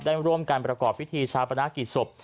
ได้ร่วมการประกอบพิธีชาปนากิสบ